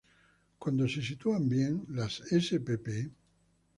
Cuando se posicionan bien, las spp.